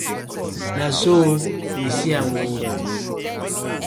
Na so we see am oo.